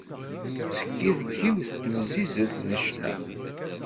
Tettekki deg yiwet n temzizelt n ccna.